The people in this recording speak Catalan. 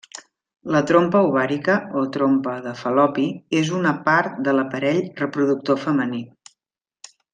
La trompa ovàrica, o trompa de Fal·lopi, és una part de l'aparell reproductor femení.